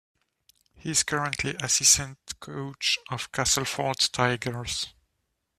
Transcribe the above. He is currently assistant coach of Castleford Tigers.